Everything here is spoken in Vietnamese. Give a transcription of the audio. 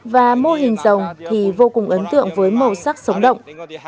và mô hình rồng thì vô cùng ấn tượng với màu sắc sống động